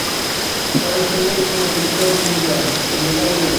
Ela gañou con autoridade o mundial, a medalla de ouro.